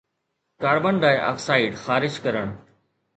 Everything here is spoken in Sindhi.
ڪاربان ڊاءِ آڪسائيڊ خارج ڪرڻ